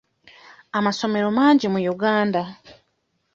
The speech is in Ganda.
Amasomero mangi mu Uganda.